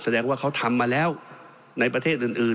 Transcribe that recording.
แสดงว่าเขาทำมาแล้วในประเทศอื่น